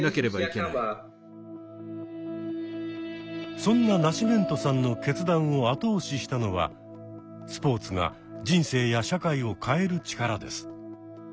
そんなナシメントさんの決断を後押ししたのはスポーツが人生や社会を変える力です。